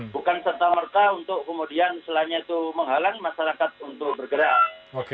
bukan serta merta untuk kemudian selain itu menghalangi masyarakat untuk bergerak